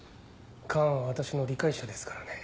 カーンは私の理解者ですからね。